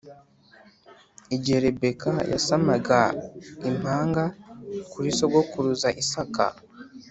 Igihe Rebeka yasamaga impanga kuri sogokuruza Isaka